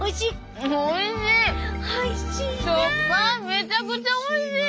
めちゃくちゃおいしい！